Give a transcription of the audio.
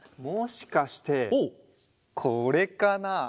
もしかしてこれかな？